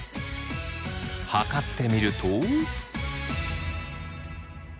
測ってみると。